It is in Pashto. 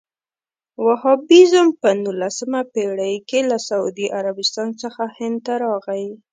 وهابیزم په نولسمه پېړۍ کې له سعودي عربستان څخه هند ته راغی.